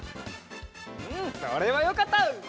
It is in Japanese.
うんそれはよかった！